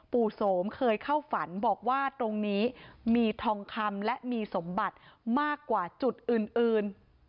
โสมเคยเข้าฝันบอกว่าตรงนี้มีทองคำและมีสมบัติมากกว่าจุดอื่น